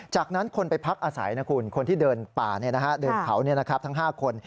จากนั้นคนไปพักอาศัยนะคุณคนที่เดินป่าเดินเขาทั้ง๕คน